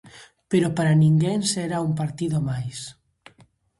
Pero para ninguén será un partido máis.